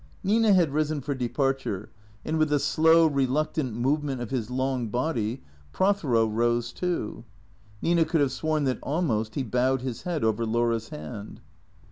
Nina had risen for departure, and with a slow, reluctant movement of his long body, Prothero rose too. Nina could have sworn that almost he bowed his head over Laura's hand.